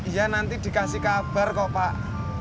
iya nanti dikasih kabar kok pak